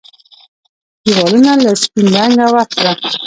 ديوالونو له سپين رنګ ورکړه